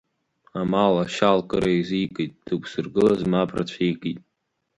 Амал-ашьал кыр еизикит, дықәзыргылаз мап рцәикит.